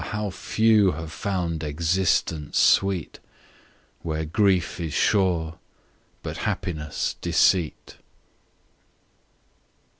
how few have found existence sweet, Where grief is sure, but happiness deceit.